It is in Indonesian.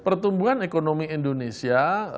pertumbuhan ekonomi indonesia